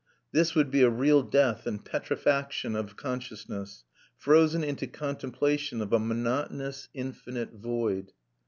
This would be a real death and petrifaction of consciousness, frozen into contemplation of a monotonous infinite void.